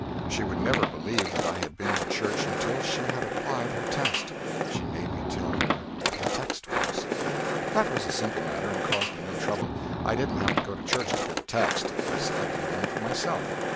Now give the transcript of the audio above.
She would never believe that I had been to church until she had applied her test: she made me tell her what the text was. That was a simple matter, and caused me no trouble. I didn't have to go to church to get a text. I selected one for myself.